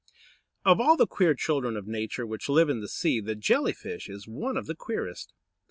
Or all the queer children of Nature which live in the sea, the Jelly fish is one of the queerest.